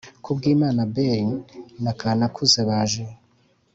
Kubwimana Abel na Kanakuze baje